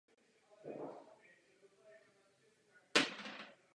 Schneider pro svou společnost se vyhnul nutnosti rozhodovat se mezi oběma jmény.